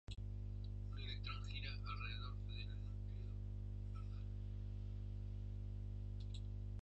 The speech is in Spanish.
Un electrón gira alrededor del núcleo, ¿verdad?